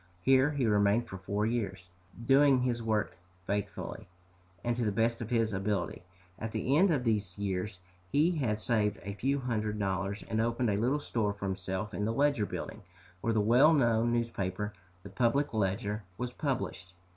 Here he remained for four years, doing his work faithfully, and to the best of his ability. At the end of these years he had saved a few hundred dollars, and opened a little store for himself in the Ledger Building, where the well known newspaper, the "Public Ledger," was published.